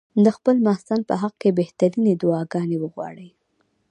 د خپل محسن په حق کې بهترینې دعاګانې وغواړي.